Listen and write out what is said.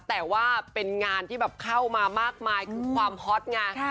แต่ว่าเป็นงานที่แบบเข้ามามากมายคือความฮอตไง